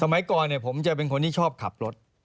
สมัยก่อนผมจะเป็นคนที่ชอบขับรถ